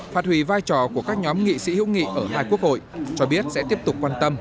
phát hủy vai trò của các nhóm nghị sĩ hữu nghị ở hai quốc hội cho biết sẽ tiếp tục quan tâm